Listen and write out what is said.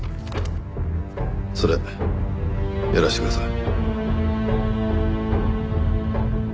それやらせてください。